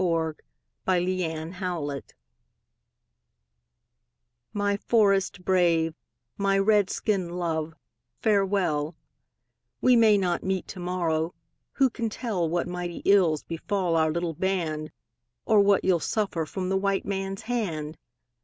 A CRY FROM AN INDIAN WIFE My forest brave, my Red skin love, farewell; We may not meet to morrow; who can tell What mighty ills befall our little band, Or what you'll suffer from the white man's hand?